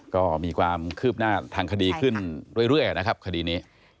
ก็มีความคืบหน้าทางคดีขึ้นเรื่อยนะครับคดีนี้